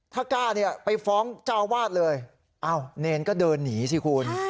ถ้ากล้าเนี่ยไปฟ้องเจ้าอาวาสเลยอ้าวเนรก็เดินหนีสิคุณ